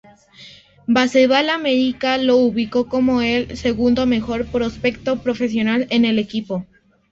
Baseball America lo ubicó como el segundo mejor prospecto profesional en el equipo.